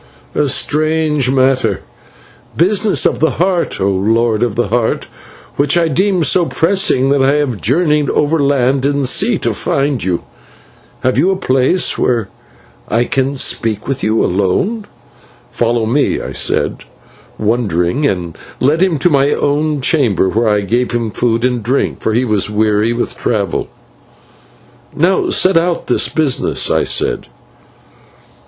"A strange matter: Business of the Heart, O Lord of the Heart, which I deemed so pressing that I have journeyed over land and sea to find you. Have you a place where I can speak with you alone?" "Follow me," I said, wondering, and led him to my own chamber, where I gave him food and drink, for he was weary with travel. "Now set out this business," I said.